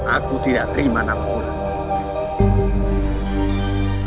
aku tidak terima nama allah